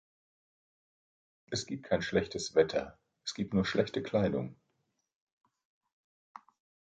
Es gibt kein schlechtes Wetter, es gibt nur schlechte Kleidung.